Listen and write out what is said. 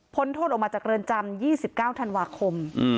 พ้นโทษออกมาจากเกิริญจำ๒๙ธันวาคม